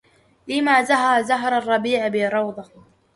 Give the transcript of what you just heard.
لما زهى زهر الربيع بروضه